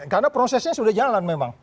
karena prosesnya sudah jalan memang